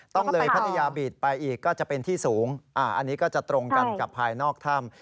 ต้องเลยพัทยาบีดไปอีกก็จะเป็นที่สูงอันนี้ก็จะตรงกันกับภายนอกถ้ำ